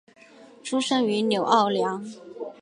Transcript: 出生于纽奥良。